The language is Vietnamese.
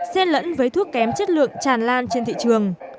xe lẫn với thuốc kém chất lượng tràn lan trên thị trường